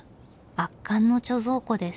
圧巻の貯蔵庫です。